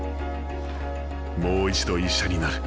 もう一度医者になる。